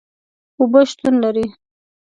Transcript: اوبه شتون لري